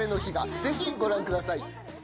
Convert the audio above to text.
ぜひご覧ください。